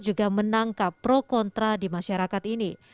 juga menangkap pro kontra di masyarakat ini